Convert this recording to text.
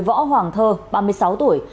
võ hoàng thơ ba mươi sáu tuổi